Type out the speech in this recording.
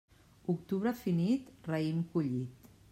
Octubre finit, raïm collit.